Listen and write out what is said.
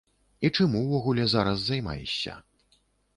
І чым увогуле зараз займаешся?